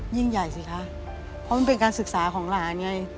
ยิ่งใหญ่สิคะเพราะมันเป็นการศึกษาของหลานไง